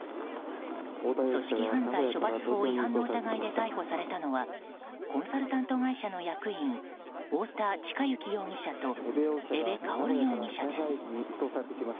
組織犯罪処罰法違反の疑いで逮捕されたのはコンサルタント会社の役員太田親幸容疑者と江部薫容疑者です。